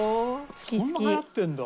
そんな流行ってるんだ。